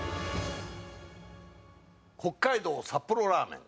北海道札幌ラーメン。